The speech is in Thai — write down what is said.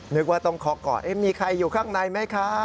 นึกว่าต้องเคาะก่อนมีใครอยู่ข้างในไหมคะ